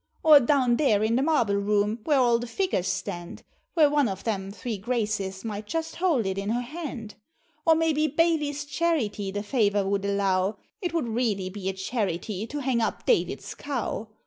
Or down there in the marble room where all the figures stand, Where one of them three Graces might just hold it in her hand Or maybe Baily's Charity the favor would allow, It would really be a charity to hang up David's Cow.